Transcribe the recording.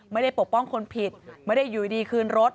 ปกป้องคนผิดไม่ได้อยู่ดีคืนรถ